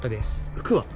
服は？